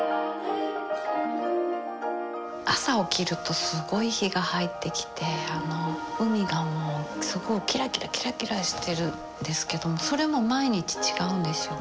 朝起きるとすごい陽が入ってきて海がもうすごいキラキラキラキラしてるんですけどもそれも毎日違うんですよ